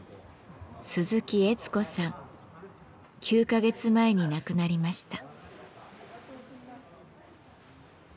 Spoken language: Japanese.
９か月前に亡くなりました。